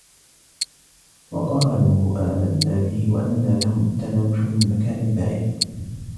وَقَالُوا آمَنَّا بِهِ وَأَنَّى لَهُمُ التَّنَاوُشُ مِنْ مَكَانٍ بَعِيدٍ